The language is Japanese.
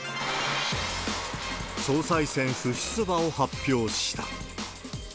総裁選不出馬を発表した。